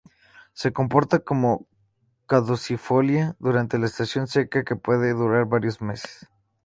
Se comporta como caducifolia durante la estación seca, que puede durar varios meses.